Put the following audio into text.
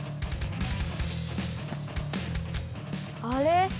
あれ？